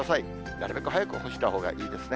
なるべく早く干したほうがいいですね。